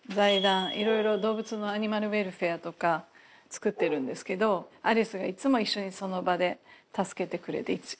色々動物のアニマルウェルフェアとかつくってるんですけどアリスがいつも一緒にその場で助けてくれて。